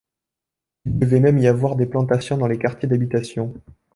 Il devait même y avoir des plantations dans les quartiers d'habitation.